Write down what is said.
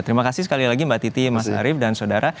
terima kasih sekali lagi mbak titi mas arief dan saudara